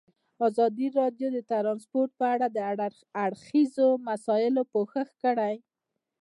ازادي راډیو د ترانسپورټ په اړه د هر اړخیزو مسایلو پوښښ کړی.